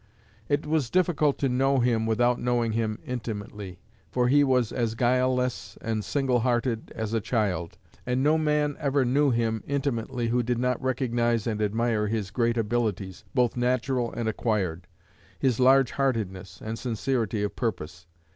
It was difficult to know him without knowing him intimately, for he was as guileless and single hearted as a child; and no man ever knew him intimately who did not recognize and admire his great abilities, both natural and acquired, his large heartedness and sincerity of purpose....